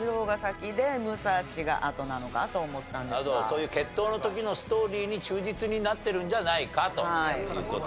そういう決闘の時のストーリーに忠実になってるんじゃないかという事ですね。